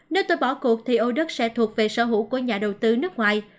nếu tôi bỏ cuộc thì ô đất sẽ thuộc về sở hữu của nhà đầu tư nước ngoài